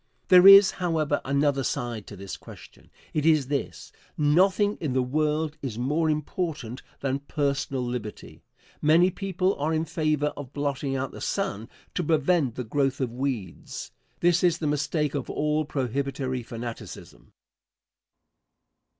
There is, however, another side to this question. It is this: Nothing in the world is more important than personal liberty. Many people are in favor of blotting out the sun to prevent the growth of weeds. This is the mistake of all prohibitory fanaticism.